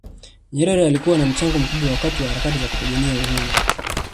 nyerere alikuwa na mchango mkubwa wakati wa harakati za kupigania uhuru